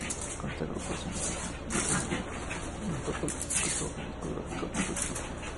Con esta agrupación, lleva editado un total de cinco trabajos discográficos de estudio.